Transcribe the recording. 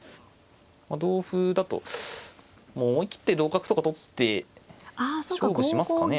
同歩だと思い切って同角とか取って勝負しますかね。